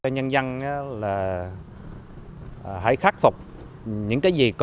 nhân dân hãy khắc phục